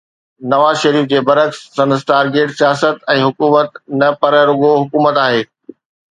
نواز شريف جي برعڪس سندس ٽارگيٽ سياست ۽ حڪومت نه پر رڳو حڪومت آهي.